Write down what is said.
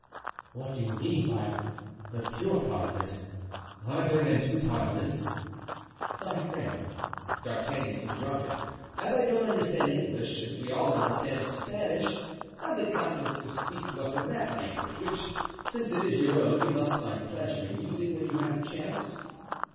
"What do you mean by 'the pure parliament'? Are there, then, two parliaments?" "My friend," D'Artagnan interrupted, "as I don't understand English and we all understand Spanish, have the kindness to speak to us in that language, which, since it is your own, you must find pleasure in using when you have the chance."